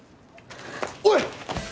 おい！